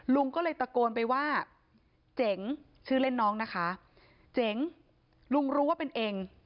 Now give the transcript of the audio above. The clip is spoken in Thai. ลุงก็เลยตะโกนไปว่าเจ๋งชื่อเล่นน้องนะคะเจ๋งลุงรู้ว่าเป็นเอง